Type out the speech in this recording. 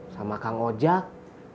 sama kang ojak